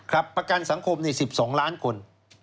ครับประกันสังคมนี่๑๒ล้านคน